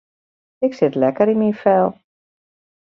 Ik sit lekker yn myn fel.